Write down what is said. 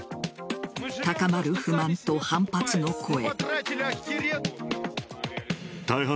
高まる不満と反発の声。